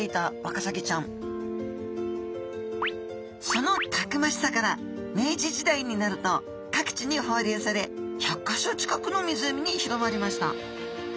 そのたくましさから明治時代になると各地に放流され１００か所近くの湖に広まりました。